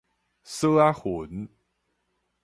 索仔雲